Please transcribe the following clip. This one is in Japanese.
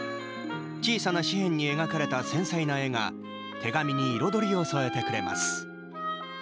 小さな紙片に描かれた繊細な絵が手紙に彩りを添えてくれます。